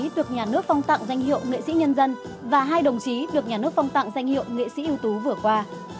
được nhà nước phong tặng danh hiệu nghệ sĩ nhân dân và hai đồng chí được nhà nước phong tặng danh hiệu nghệ sĩ ưu tú vừa qua